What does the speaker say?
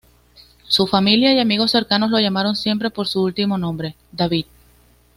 Su familia y amigos cercanos lo llamaron siempre por su último nombre, David.